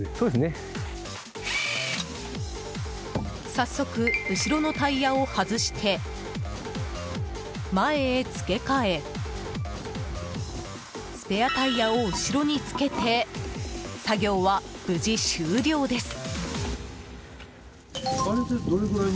早速、後ろのタイヤを外して前へ付け替えスペアタイヤを後ろに付けて作業は無事終了です。